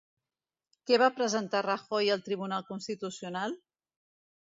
Què va presentar Rajoy al Tribunal Constitucional?